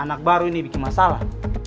anak baru ini bikin masalah